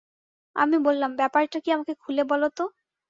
আমি বললাম, ব্যাপারটা কি আমাকে খুলে বল তো?